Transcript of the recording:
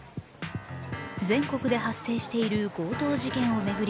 全国で発生している強盗事件を巡り